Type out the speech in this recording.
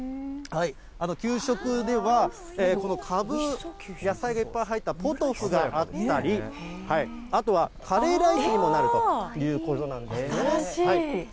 給食では、このかぶ、野菜がいっぱい入ったポトフがあったり、あとはカレーライスにもなるということなんですね。